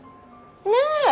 ねえ。